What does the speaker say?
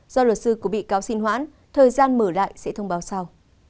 do luật sư của bị cáo xin hoãn thời gian mở lại sẽ thông báo sau